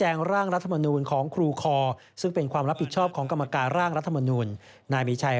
เพราะว่าเมื่อเราตัดสินใจเป็นการฟับยากไป